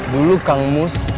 dulu kang emus